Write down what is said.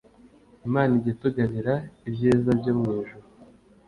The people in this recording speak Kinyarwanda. Imana ijya itugabira ibyiza byo mu ijuru